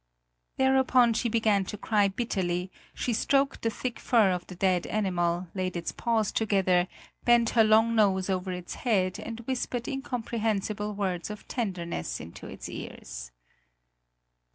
Thereupon she began to cry bitterly; she stroked the thick fur of the dead animal, laid its paws together, bent her long nose over its head and whispered incomprehensible words of tenderness into its ears.